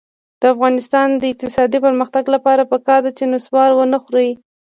د افغانستان د اقتصادي پرمختګ لپاره پکار ده چې نصوار ونه خورئ.